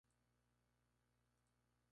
Tras su período escolar estudió música.